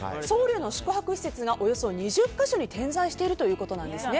僧侶の宿泊施設がおよそ２０か所に点在しているということです。